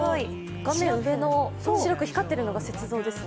画面上の白く光っているのが雪像ですね。